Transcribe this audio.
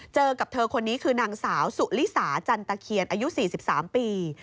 เจอกับเธอคนนี้คือนางสาวสุลิสาจันตะเคียนอายุ๔๓ปี